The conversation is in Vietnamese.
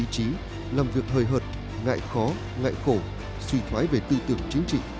trí làm việc hời hợt ngại khó ngại khổ suy thoái về tư tưởng chính trị